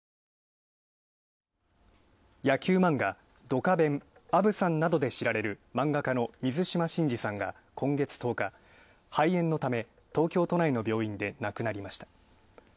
野球漫画「ドカベン」、「あぶさん」などで知られる漫画家の水島新司さんが今月１０日肺炎のため東京都内の病院で亡くなりました。